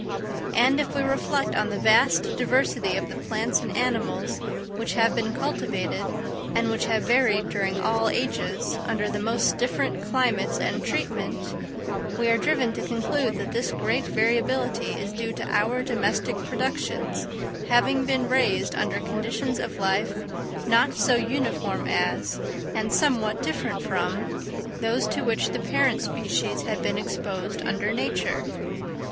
And if we reflect on the vast diversity of the plants and animals which have been cultivated, and which have varied during all ages under the most different climates and treatment, we are driven to conclude that this great variability is due to our domestic productions having been raised under conditions of life not so uniform as, and somewhat different from, those to which the parent species had been exposed under nature.